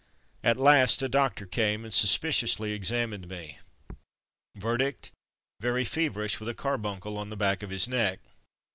At last a doctor came, and suspiciously examined me. Verdict: "Very feverish, with a carbuncle on the back of his neck.